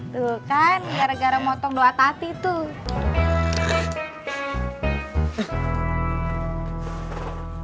tuh kan gara gara motong doa tati tuh